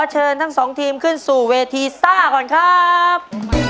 เฮ้ยขอโทษนะครับ